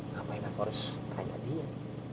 ngapain aku harus tanya dia